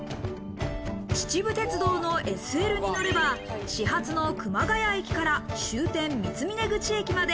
秩父鉄道のＳＬに乗れば、始発の熊谷駅から終点・三峰口駅まで。